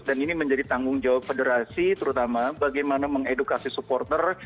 dan ini menjadi tanggung jawab federasi terutama bagaimana mengedukasi supporter